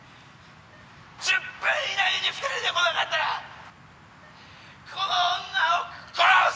１０分以内に２人で来なかったらこの女を殺す！